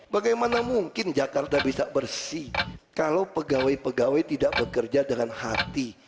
bagaimana mungkin jakarta bisa bersih kalau pegawai pegawai tidak bekerja dengan hati